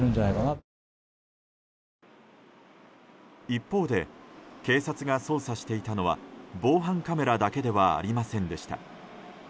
一方で警察が捜査していたのは防犯カメラだけではありませんでした。